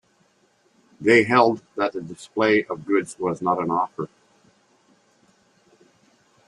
They held that the display of goods was not an offer.